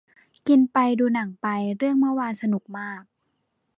กินไปดูหนังไป เรื่องเมื่อวานสนุกมาก